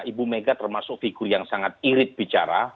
ibu mega termasuk figur yang sangat irit bicara